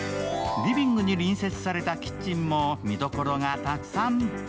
リビングに隣接されたキッチンにも見どころがたくさん。